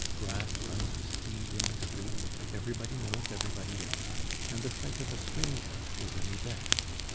Grass runs to seed in the street, everybody knows everybody else, and the sight of a stranger is an event.